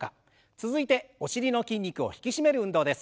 続いてお尻の筋肉を引き締める運動です。